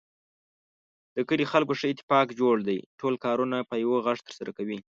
د کلي خلکو ښه اتفاق جوړ دی. ټول کارونه په یوه غږ ترسره کوي.